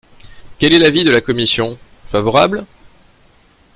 Quel est l’avis de la commission ? Favorable.